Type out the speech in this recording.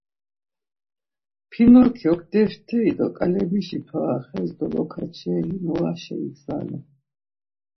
Pinokyok defteri do ǩalemişi para xes dolokaçeri noğaşe igzalu.